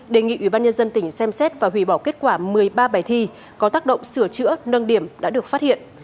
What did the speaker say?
đề nghị ủy ban nhân dân tỉnh xem xét và hủy bỏ kết quả một mươi ba bài thi có tác động sửa chữa nâng điểm đã được phát hiện